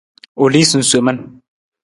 U lii sunsomin.